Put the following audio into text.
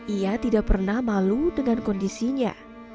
ia tidak pernah malu dengan kondisinya